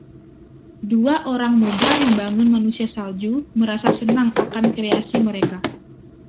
Dua orang muda membangun manusia salju merasa senang akan kreasi mereka.